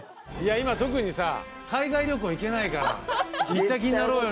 今特にさ海外旅行行けないから行った気になろうよ